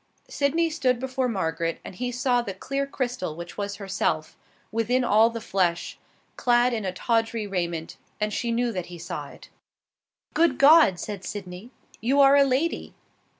Sydney stood before Margaret, and he saw the clear crystal, which was herself, within all the flesh, clad in tawdry raiment, and she knew that he saw it. "Good God!" said Sydney, "you are a lady!"